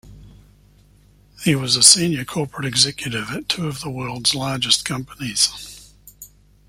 He was a senior corporate executive at two of the world's largest companies.